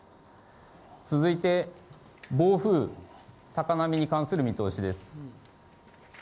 続いて、暴風、高波に関する見通しです。